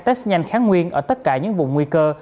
test nhanh kháng nguyên ở tất cả những vùng nguy cơ